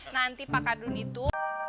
nanti pak kardun itu